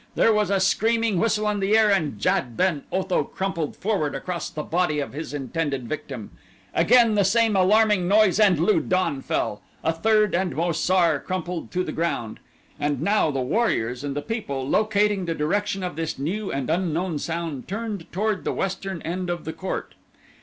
There was a screaming whistle in the air and Jad ben Otho crumpled forward across the body of his intended victim. Again the same alarming noise and Lu don fell, a third and Mo sar crumpled to the ground. And now the warriors and the people, locating the direction of this new and unknown sound turned toward the western end of the court.